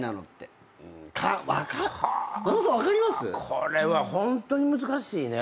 これはホントに難しいね。